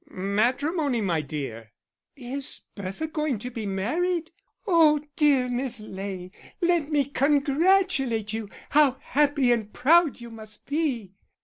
"Matrimony, my dear." "Is Bertha going to be married? Oh, dear Miss Ley, let me congratulate you. How happy and proud you must be!"